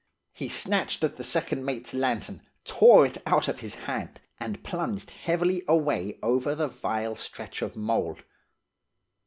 He snatched at the second mate's lantern, tore it out of his hand, and plunged heavily away over the vile stretch of mould.